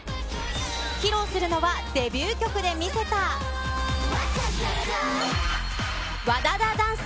披露するのは、デビュー曲で見せた、ＷＡＤＡＤＡダンス。